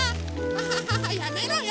アハハハやめろよ！